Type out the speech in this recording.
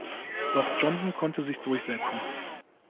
Doch Johnson konnte sich durchsetzen.